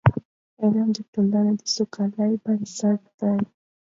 علم د ټولني د سوکالۍ بنسټ دی.